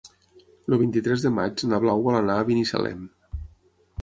El vint-i-tres de maig na Blau vol anar a Binissalem.